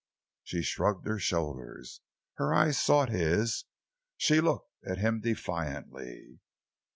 She shrugged her shoulders. Her eyes sought his. She looked at him defiantly.